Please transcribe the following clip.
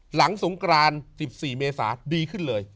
หลังสงกราน๑๔เมษาดีขึ้นเลย